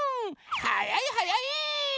はやいはやい！